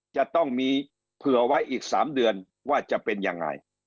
จะต้องมีเผื่อไว้อีก๓เดือนว่าจะเป็นยังไง